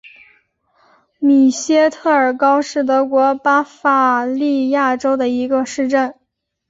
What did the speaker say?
米斯特尔高是德国巴伐利亚州的一个市镇。